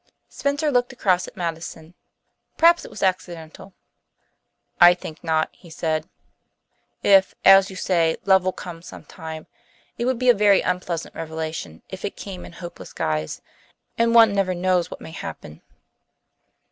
Spencer looked across at Madison perhaps it was accidental. "I think not," he said. "If, as you say, love will come some time, it would be a very unpleasant revelation if it came in hopeless guise, and one never knows what may happen."